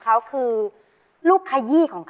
ถามว่ารู้สึกชนะหรือยังก็ยังค่ะ